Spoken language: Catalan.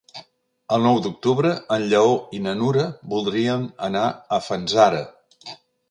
El nou d'octubre en Lleó i na Nura voldrien anar a Fanzara.